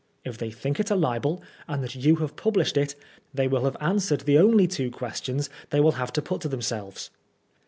If they think it a libel, and that you have pubUshed it, they wiU have answered the only two questions they will have to put to them selves.